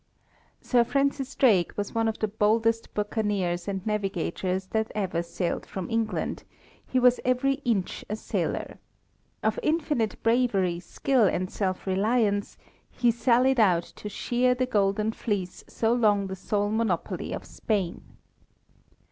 Sir Francis Drake was one of the boldest buccaneers and navi gators that ever sailed from England ; he was every inch a sailor. Of infinite bravery, skill and self reliance, he sallied out to shear the golden fleece so long the sole monopoly of Spain.